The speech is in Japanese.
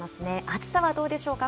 暑さはどうでしょうか？